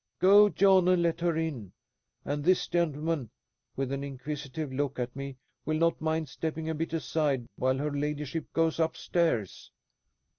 Go, John, and let her in; and this gentleman," with an inquisitive look at me, "will not mind stepping a bit aside, while her ladyship goes upstairs."